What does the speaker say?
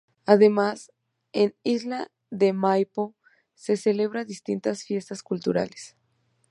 Además, en Isla de Maipo se celebran distintas fiestas culturales.